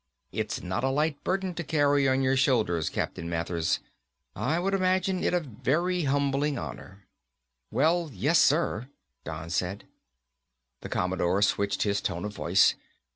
It's not a light burden to carry on your shoulders, Captain Mathers. I would imagine it a very humbling honor." "Well, yes, sir," Don said. The Commodore switched his tone of voice.